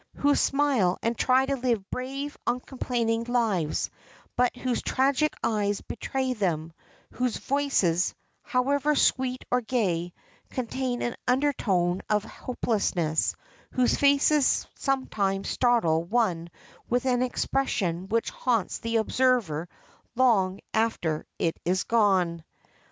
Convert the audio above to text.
Who smile, and try to lead brave uncomplaining lives, but whose tragic eyes betray them, whose voices, however sweet or gay, contain an undertone of hopelessness, whose faces sometimes startle one with an expression which haunts the observer long after it is gone.